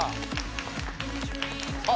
あっ。